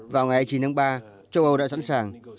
vào ngày chín tháng ba châu âu đã sẵn sàng